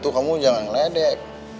kamu jangan ngeledek